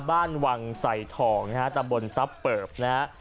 บ้านวังใส่ทองนะฮะแต่บนซับเปิบนะฮะ